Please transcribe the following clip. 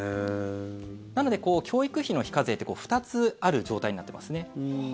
なので、教育費の非課税って２つある状態になっていますね。